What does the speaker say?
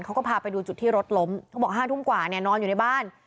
พาไปดูจุดที่รถล้มเขาบอก๕ทุ่มกว่าเนี่ยนอนอยู่ในบ้าน